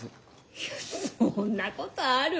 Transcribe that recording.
いやそんなことある？